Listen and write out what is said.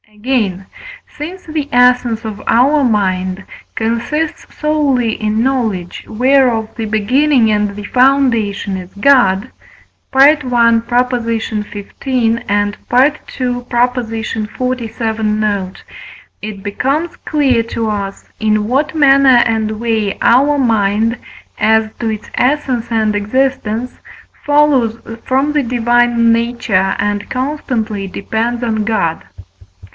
Again, since the essence of our mind consists solely in knowledge, whereof the beginning and the foundation is God (I. xv., and II. xlvii. note), it becomes clear to us, in what manner and way our mind, as to its essence and existence, follows from the divine nature and constantly depends on God.